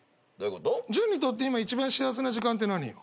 潤にとって今一番幸せな時間って何よ。